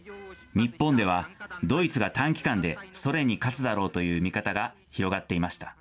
日本では、ドイツが短期間でソ連に勝つだろうという見方が広がっていました。